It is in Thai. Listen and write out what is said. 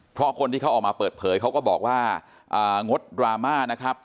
เพราะคนที่เขาออกมาเปิดเผยเขาก็บอกว่างดดราม่านะครับ